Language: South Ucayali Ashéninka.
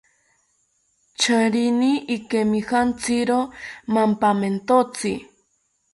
Charini ikemijantziro mampamentotzi